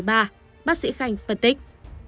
bác sĩ khanh phân tích